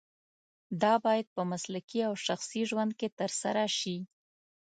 دا باید په مسلکي او شخصي ژوند کې ترسره شي.